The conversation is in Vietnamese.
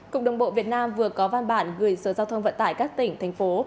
cục đồng bộ việt nam vừa có văn bản gửi sở giao thông vận tải các tỉnh thành phố